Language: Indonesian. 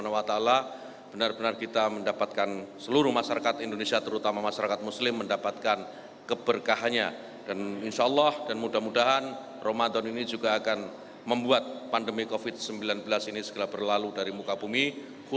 waalaikumsalam warahmatullahi wabarakatuh